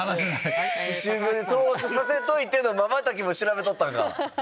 歯周病で当惑させといてのまばたきも調べとったんか！